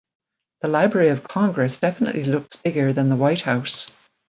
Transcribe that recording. The Library of Congress definitely looks bigger than the White House!